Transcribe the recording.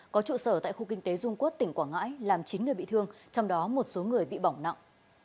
có trụ sở tại khu kinh tế dung quốc tỉnh quảng ngãi làm chín người bị thương trong đó một số người bị bỏng nặng